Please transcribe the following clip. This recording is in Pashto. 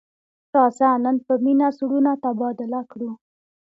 راځه نن په مینه زړونه تبادله کړو.